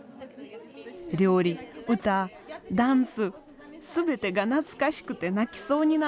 料理歌ダンス全てが懐かしくて泣きそうになった。